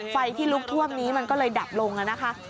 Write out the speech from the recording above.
ไฟที่ลุกท่วมนี้มันก็เลยดับลงนะคะ